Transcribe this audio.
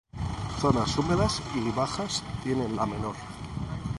Zonas húmedas y bajas tienen la menor.